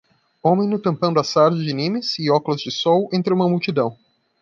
Homem no tampão da sarja de Nimes e óculos de sol entre uma multidão.